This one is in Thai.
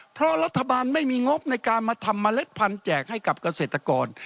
เพราะรัฐบาลไม่มีงบในการมาทำเมล็ดพันธุ์แจกให้กับเกษตรกร